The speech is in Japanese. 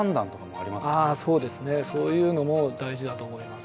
あそうですね。そういうのも大事だと思います。